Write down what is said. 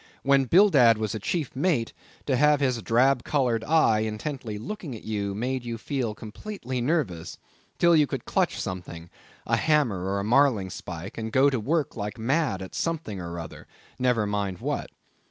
When Bildad was a chief mate, to have his drab coloured eye intently looking at you, made you feel completely nervous, till you could clutch something—a hammer or a marling spike, and go to work like mad, at something or other, never mind what.